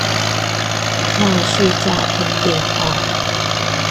那是詐騙電話